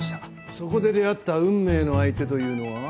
そこで出会った運命の相手というのは？